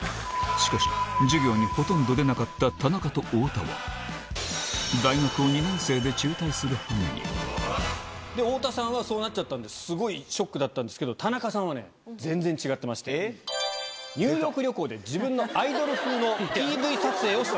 しかし、授業にほとんど出なかった田中と太田は、で、太田さんはそうなっちゃったんで、すごいショックだったんですけど、田中さんはね、全然違ってまして、ニューヨーク旅行で自分のアイドル風のＰＶ撮影をした。